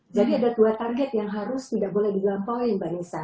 jadi ada dua target yang harus tidak boleh dilampaui mbak nisa